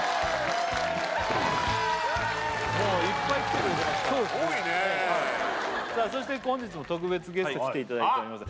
もういっぱい来てくれてますからそうですね多いねそして本日も特別ゲスト来ていただいております